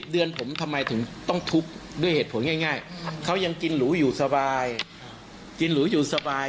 ๑๐เดือนผมทำไมถึงต้องทุบด้วยเหตุผลง่ายเขายังกินหรูอยู่สบาย